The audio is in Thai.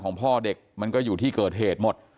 พ่อเด็กมันก็อยู่ที่เกิดเหตุหมด